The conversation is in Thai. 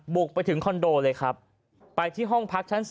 บุกไปถึงคอนโดเลยครับไปที่ห้องพักชั้น๔